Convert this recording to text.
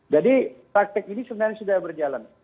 jadi praktik ini sebenarnya sudah berjalan